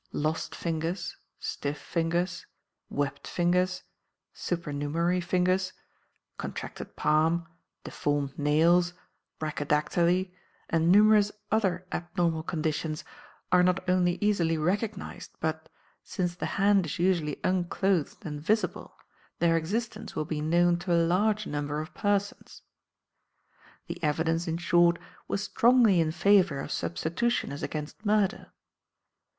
Lost fingers, stiff fingers, webbed fingers, supernumary fingers, contracted palm, deformed nails, brachydactyly and numerous other abnormal conditions are not only easily recognized, but since the hand is usually unclothed and visible their existence will be known to a large number of persons. "The evidence, in short, was strongly in favour of substitution as against murder.